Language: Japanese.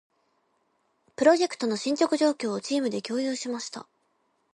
プロジェクトの進捗状況を、チームで共有しました。